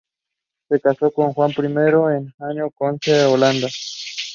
This was one of the few novels written in Dutch by an Indonesian.